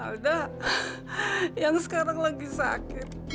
udah yang sekarang lagi sakit